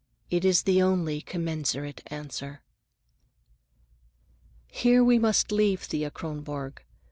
It is the only commensurate answer. Here we must leave Thea Kronborg.